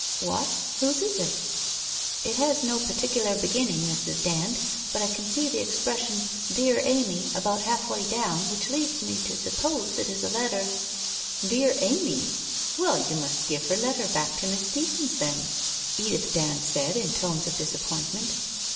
< What— whose is it ?'* It has no particular beginning, Mrs. Dand, but I can .see the expression " Dear Amy," about half way down, which leads me to suppose it is a letter '' Dear Amy ? Well, you must give her letter back to Miss Stephens, then !' Edith Dand said, in tones of disappoint ment.